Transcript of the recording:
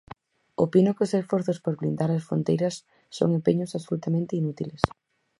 Opino que os esforzos por blindar as fronteiras son empeños absolutamente inútiles.